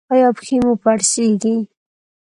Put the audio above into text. ایا پښې مو پړسیږي؟